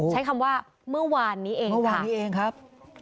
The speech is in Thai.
ใช้คำว่าเมื่อวานนี้เองเมื่อวานนี้เองครับ